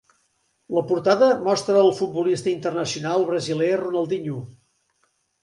La portada mostra el futbolista internacional brasiler Ronaldinho.